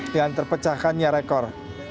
yang terpecahkannya rekor